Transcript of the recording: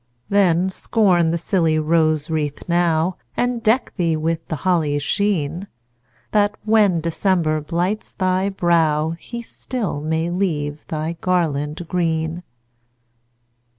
Then, scorn the silly rose wreath now, And deck thee with the holly's sheen, That, when December blights thy brow, He still may leave thy garland green.